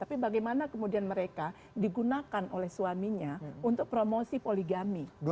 tapi bagaimana kemudian mereka digunakan oleh suaminya untuk promosi poligami